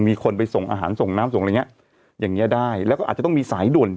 มีคนไปส่งอาหารส่งน้ำส่งอะไรอย่างเงี้ยอย่างเงี้ได้แล้วก็อาจจะต้องมีสายด่วน